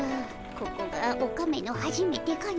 ここがオカメのはじめてかの。